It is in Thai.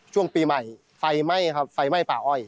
ช่วงปีใหม่ไฟไหม้ครับไฟไหม้ป่าอ้อย